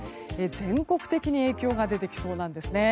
全国的に影響が出てきそうなんですね。